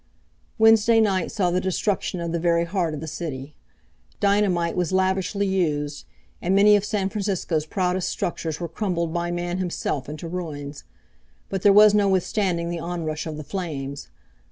Wednesday night saw the destruction of the very heart of the city. Dynamite was lavishly used, and many of San Francisco proudest structures were crumbled by man himself into ruins, but there was no withstanding the onrush of the flames.